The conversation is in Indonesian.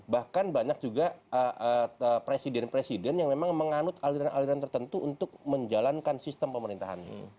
bahkan banyak juga presiden presiden yang memang menganut aliran aliran tertentu untuk menjalankan sistem pemerintahannya